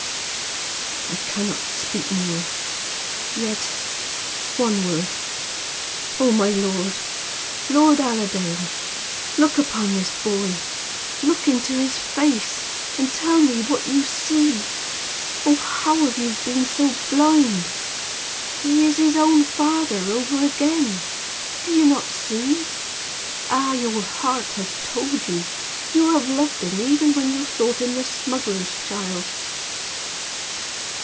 "I can not speak more. Yet one word Oh, my lord! Lord Allerdale! look upon this boy look into his face and tell me what you see. Oh, how have you been so blind? He is his own father over again! Do you not see? Ah, your heart has told you! You have loved him, even when you thought him the smuggler's child."